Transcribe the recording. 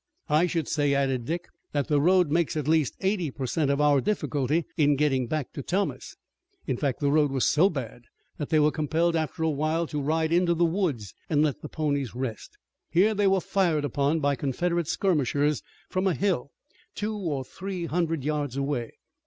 "I should say," added Dick, "that the road makes at least eighty per cent of our difficulty in getting back to Thomas." In fact, the road was so bad that they were compelled after a while to ride into the woods and let their ponies rest. Here they were fired upon by Confederate skirmishers from a hill two or three hundred yards away.